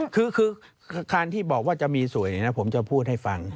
คือการที่บอกว่าจะมีสวยผมจะพูดให้ฟัง